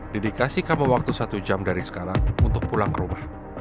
deddy kasih kamu waktu satu jam dari sekarang untuk pulang ke rumah